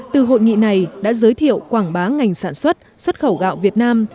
từ hội nghị này đã giới thiệu quảng bá ngành sản xuất xuất khẩu gạo việt nam